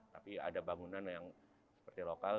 tapi ada bangunan yang seperti lokal